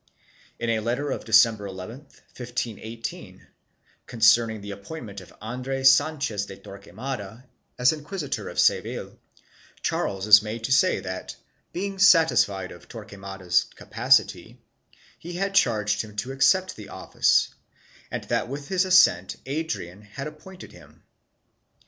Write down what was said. In a letter of December 11, 1518, concerning the appointment of Andres Sanchez de Torquemada as Inquisitor of Seville, Charles is made to say that, being satisfied of Torquemada's capacity, he had charged him to accept the office and that with his assent Adrian had appointed him.